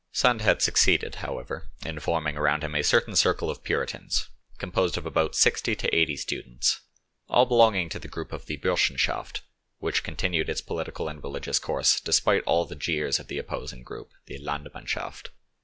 Sand had succeeded, however, in forming around him a certain circle of Puritans, composed of about sixty to eighty students, all belonging to the group of the 'Burschenschaft' which continued its political and religious course despite all the jeers of the opposing group—the 'Landmannschaft'.